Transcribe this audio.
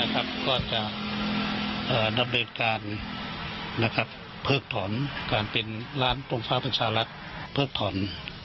ก็จะดำเนินการเพิกถอน